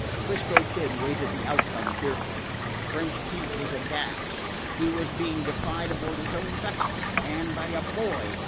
'Frisco Kid waited the outcome fearfully. French Pete was aghast. He was being defied aboard his own vessel and by a boy!